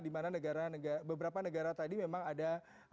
di mana beberapa negara tadi memang ada